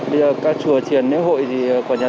bây giờ các chùa triển nếp hội thì quả nhà